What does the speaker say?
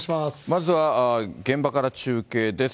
まずは現場から中継です。